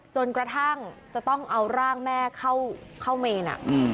จนกระทั่งจะต้องเอาร่างแม่เข้าเมน